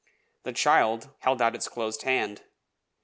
The child held out its closed hand.